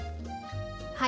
はい。